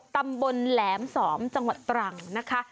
ตำบลแหลม๒จังหวัดตรังนะคะ